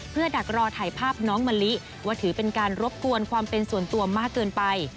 เพื่อดักรอถ่ายภาพน้องมะลิว่าถือเป็นการรบกวนความเป็นส่วนตัวมากเกินไป